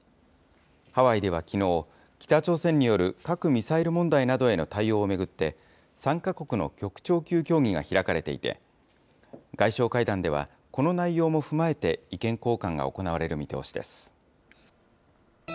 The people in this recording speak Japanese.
ハワイではきのう、北朝鮮による核・ミサイル問題などへの対応を巡って、３か国の局長級協議が開かれていて、外相会談では、この内容も踏まえて、意見交換が行われる見通しです。